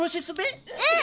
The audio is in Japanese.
うん！